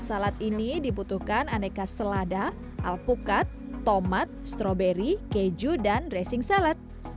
salad ini dibutuhkan aneka selada alpukat tomat stroberi keju dan dressing salad